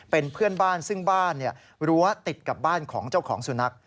เป็นเพื่อนบ้านซึ่งบ้านรั้วติดกับบ้านของเจ้าของสุนัข